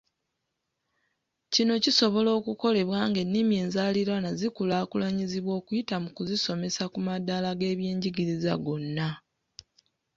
Kino kisobola okukolebwa nga ennimi enzaaliranwa zikulaakulanyizibwa okuyita mu kuzisomesa ku madaala g'ebyenjigiriza gonna.